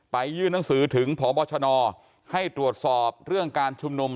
ยื่นหนังสือถึงพบชนให้ตรวจสอบเรื่องการชุมนุม